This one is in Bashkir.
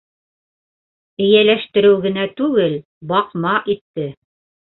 Эйәләштереү генә түгел, баҡма итте!